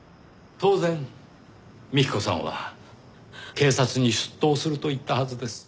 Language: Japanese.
当然幹子さんは警察に出頭すると言ったはずです。